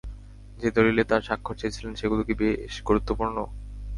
যে দলীলে তার স্বাক্ষর চেয়েছিলেন, সেগুলো কি বেশ গুরুত্বপূর্ণ?